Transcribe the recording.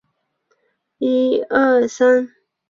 布达佩斯地铁黄线设有塞切尼浴场站。